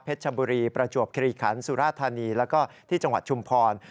ชบุรีประจวบคิริขันสุราธานีแล้วก็ที่จังหวัดชุมพร